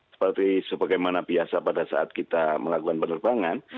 seperti sebagaimana biasa pada saat kita melakukan penerbangan